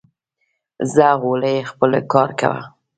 ځه غولی خپل کار کوه